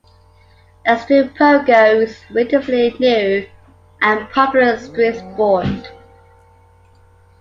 Extreme pogo is a relatively new and popular extreme sport.